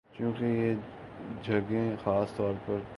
چونکہ یہ جگہیں خاص طور پر پودے